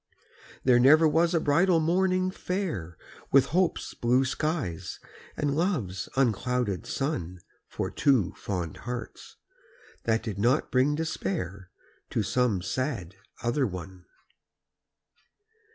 There never was a bridal morning fair With hope's blue skies and love's unclouded sun For two fond hearts, that did not bring despair To some sad other one.